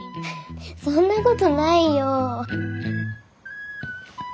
そんなことないよ。